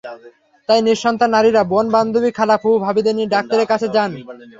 তাই নিঃসন্তান নারীরা বোন, বান্ধবী, খালা, ফুফু, ভাবিদের নিয়ে ডাক্তারের কাছে যান।